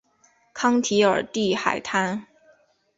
康雅尔蒂海滩。